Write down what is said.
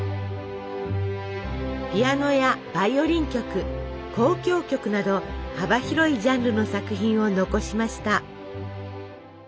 ピアノやバイオリン曲交響曲など幅広いジャンルの作品を残しました。